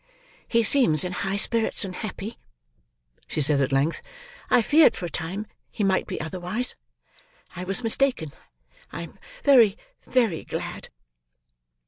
"He seems in high spirits and happy," she said, at length. "I feared for a time he might be otherwise. I was mistaken. I am very, very glad."